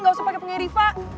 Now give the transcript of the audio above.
gak usah pake pengen rifa